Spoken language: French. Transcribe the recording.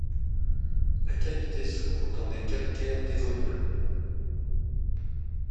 La cavité s'ouvre dans des calcaires dévoniens.